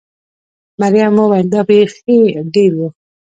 مريم وویل: دا بېخي ډېر و.